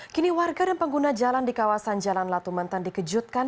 kini warga dan pengguna jalan di kawasan jalan latu mentan dikejutkan